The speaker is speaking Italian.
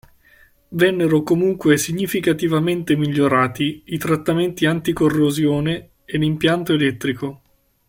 Vennero comunque significativamente migliorati i trattamenti anti-corrosione e l'impianto elettrico.